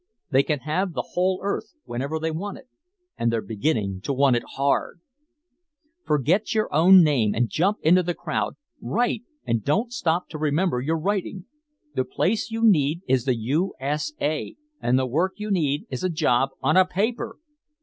They can have the whole earth whenever they want it. And they're beginning to want it hard! "Forget your own name and jump into the crowd, write and don't stop to remember you're writing! The place you need is the U. S. A. and the work you need is a job on a paper!"